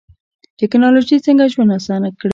ټکنالوژي څنګه ژوند اسانه کړی؟